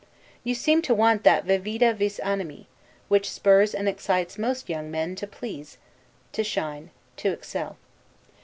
You seem to want that 'vivida vis animi,' which spurs and excites most young men to please, to shine, to excel.